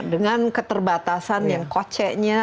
dengan keterbatasan yang koce nya